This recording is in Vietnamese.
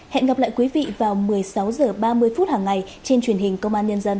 hẹn gặp lại quý vị vào một mươi sáu h ba mươi phút hàng ngày trên truyền hình công an nhân dân